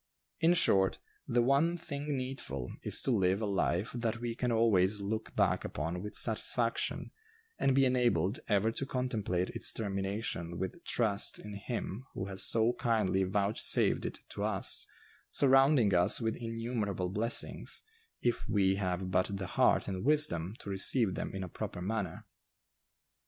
In short, 'the one thing needful' is to live a life that we can always look back upon with satisfaction, and be enabled ever to contemplate its termination with trust in Him who has so kindly vouchsafed it to us, surrounding us with innumerable blessings, if we have but the heart and wisdom to receive them in a proper manner."